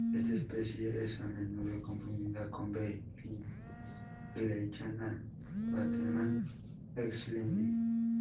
Esta especie es a menudo confundida con "B. lindleyana" Bateman ex Lindl.